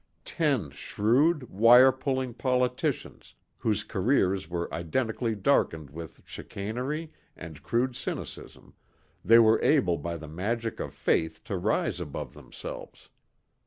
Ten shrewd, wire pulling politicians whose careers were identically darkened with chicanery and crude cynicism, they were able by the magic of faith to rise above themselves.